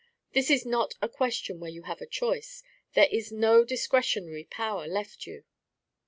This is not a question where you have a choice. There is no discretionary power left you."